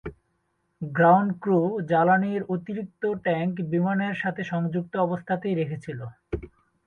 Ground crew জ্বালানীর অতিরিক্ত tank বিমানের সাথে সংযুক্ত অবস্থাতেই রেখেছিল।